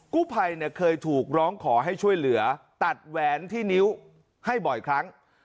กู้ภัยเนี่ยเคยถูกร้องขอให้ช่วยเหลือตัดแหวนที่นิ้วให้บ่อยครั้ง